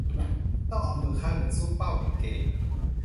ต้องเอามือข้างหนึ่งซุกเป้ากางเกง